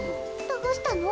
どうしたの？